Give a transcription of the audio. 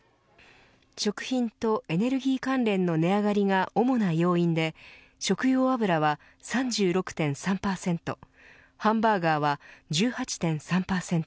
食品とエネルギー関連の値上がりが主な要因で食用油は３６．３％ハンバーガーは１８．３％